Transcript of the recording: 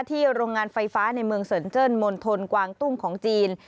โรงงานไฟฟ้าในเมืองเซินเจิ้นมณฑลกวางตุ้งของจีน